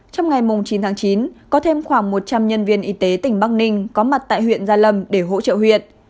trong ngày chín tháng chín có thêm khoảng một trăm linh nhân viên y tế tỉnh bắc ninh có mặt tại huyện gia lâm để hỗ trợ huyện